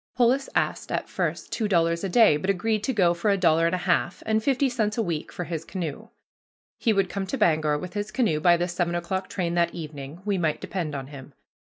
Polis asked at first two dollars a day but agreed to go for a dollar and a half, and fifty cents a week for his canoe. He would come to Bangor with his canoe by the seven o'clock train that evening we might depend on him.